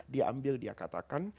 dia ambil dia katakan